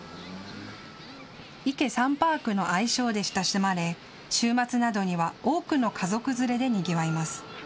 イケ・サンパークの愛称で親しまれ週末などには多くの家族連れでにぎわいます。